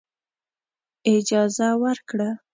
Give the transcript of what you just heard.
اجازه ورکړه.